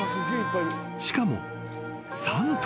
［しかも］